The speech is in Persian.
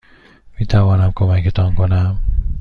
میتوانم کمکتان کنم؟